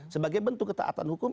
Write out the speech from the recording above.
sebagai bentuk ketaatan hukum